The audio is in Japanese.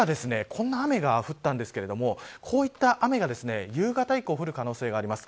こんな雨が降ったんですがこういった雨が夕方以降降る可能性があります。